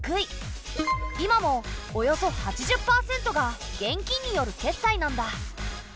今もおよそ８０パーセントが現金による決済なんだ。